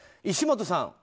石本さん。